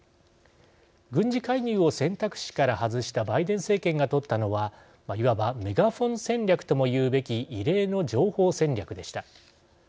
軍事介入を選択肢から外したバイデン政権が取ったのはいわば、メガフォン戦略とも言うべき異例の情報戦略でした。